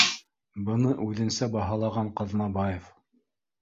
Быны үҙенсә баһалаған Ҡаҙнабаев: